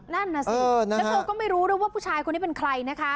นั่นน่ะสิแล้วเธอก็ไม่รู้ด้วยว่าผู้ชายคนนี้เป็นใครนะคะ